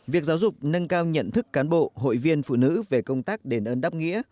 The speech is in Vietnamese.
việc giáo dục nâng cao nhận thức cán bộ hội viên phụ nữ về công tác đền ơn đáp nghĩa